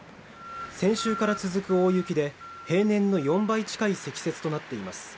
先週から続く大雪で平年の４倍近い積雪となっています